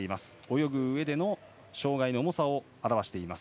泳ぐうえでの障がいの重さを表しています。